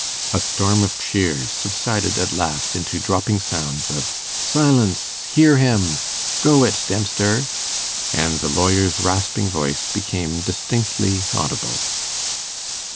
A storm of cheers subsided at last into dropping sounds of 'Silence!' 'Hear him!' 'Go it, Dempster!' and the lawyer's rasping voice became distinctly audible.